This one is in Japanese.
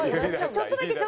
ちょっとだけ。